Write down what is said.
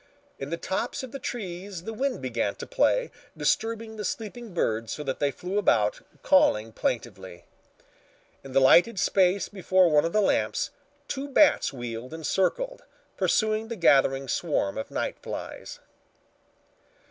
In the tops of the trees the wind began to play, disturbing the sleeping birds so that they flew about calling plaintively. In the lighted space before one of the lamps, two bats wheeled and circled, pursuing the gathering swarm of night flies.